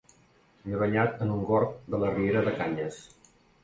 M'he banyat en un gorg de la riera de Canyes